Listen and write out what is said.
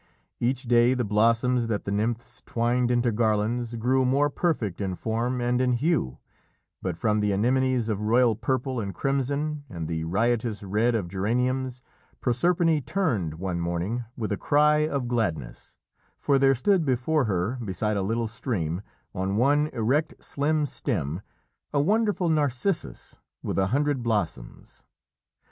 Each day the blossoms that the nymphs twined into garlands grew more perfect in form and in hue, but from the anemones of royal purple and crimson, and the riotous red of geraniums, Proserpine turned one morning with a cry of gladness, for there stood before her beside a little stream, on one erect, slim stem, a wonderful narcissus, with a hundred blossoms.